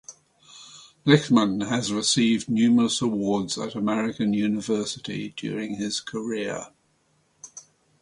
Lichtman has received numerous awards at American University during his career.